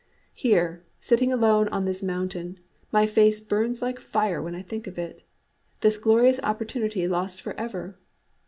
Here, sitting alone on this mountain, my face burns like fire when I think of it this glorious opportunity lost for ever!